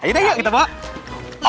ayo deh yuk kita bawa